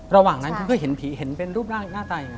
ระหว่างนั้นก็เห็นผีอย่างยังไง